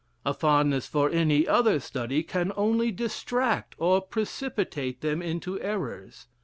A fondness for any other study can only distract or precipitate them into errors.